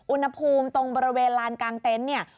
อุณหภูมิตรงบริเวณลานกลางเต็นต์เนี่ย